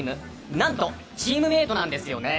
何とチームメートなんですよね。